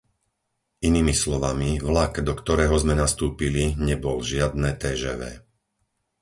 Inými slovami, vlak, do ktorého sme nastúpili, nebol žiadne Téžévé.